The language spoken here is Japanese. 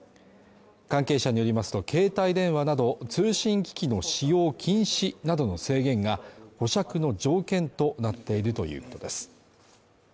関係者によりますと携帯電話など通信機器の使用禁止などの制限が保釈の条件となっているということです。